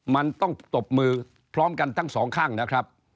มันต้องตบมือพร้อมกันทั้งสองข้างนะครับ